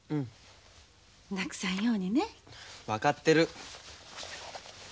なくさんようにね。分かってる。